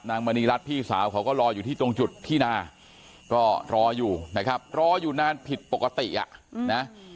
มณีรัฐพี่สาวเขาก็รออยู่ที่ตรงจุดที่นาก็รออยู่นะครับรออยู่นานผิดปกติอ่ะนะ